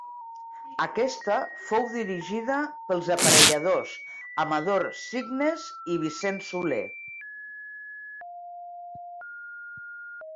Aquesta fou dirigida pels aparelladors Amador Signes i Vicent Soler.